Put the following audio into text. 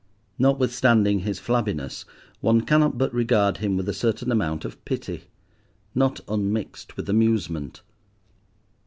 Notwithstanding his flabbiness, one cannot but regard him with a certain amount of pity—not unmixed with amusement.